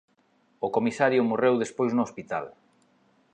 O comisario morreu despois no hospital.